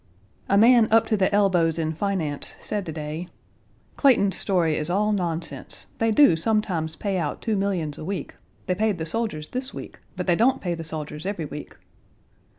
A man up to the elbows in finance said to day: "Clayton's story is all nonsense. They do sometimes pay out two millions a week; they paid the soldiers this week, but they don't pay the soldiers every week."